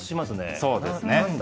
そうですね。